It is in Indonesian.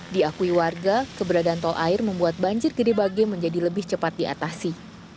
diakui warga keberadaan tol air membuat banjir gede bage menjadi lebih cepat diatasi